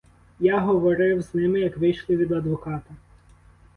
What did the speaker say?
Я говорив з ними, як вийшли від адвоката.